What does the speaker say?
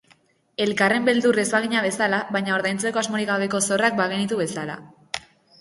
Elkarren beldur ez bagina bezala, baina ordaintzeko asmorik gabeko zorrak bagenitu bezala.